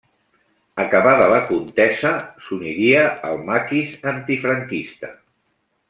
Acabada la contesa s'uniria al Maquis antifranquista.